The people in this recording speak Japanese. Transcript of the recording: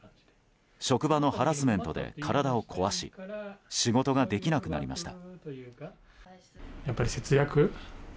職場のハラスメントで体を壊し仕事ができなくなりました。